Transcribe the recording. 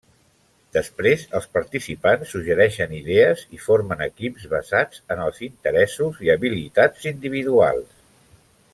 Després els participants suggereixen idees i formen equips, basats en els interessos i habilitats individuals.